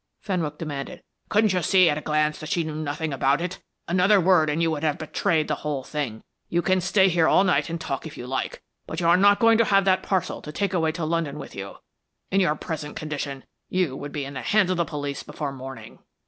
Fenwick demanded. "Couldn't you see at a glance that she knew nothing about it. Another word and you would have betrayed the whole thing. You can stay here all night and talk if you like, but you are not going to have that parcel to take away to London with you. In your present condition you would be in the hands of the police before morning."